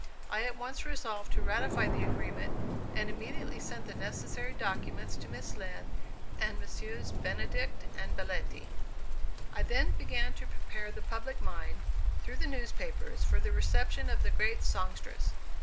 I at once resolved to ratify the agreement, and immediately sent the necessary documents to Miss Lind and Messrs. Benedict and Belletti. I then began to prepare the public mind, through the newspapers, for the reception of the great songstress.